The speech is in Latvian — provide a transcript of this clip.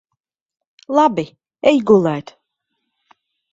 Labi. Ej gulēt.